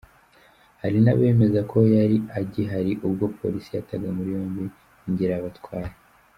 Hari n’abemeza ko yari agihari ubwo Polisi yataga muri yombi Ngirabatware.